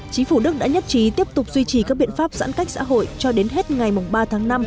chính phủ đức đã nhất trí tiếp tục duy trì các biện pháp giãn cách xã hội cho đến hết ngày ba tháng năm